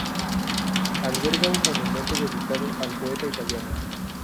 Alberga un monumento dedicado al poeta italiano.